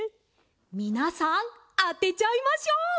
みなさんあてちゃいましょう！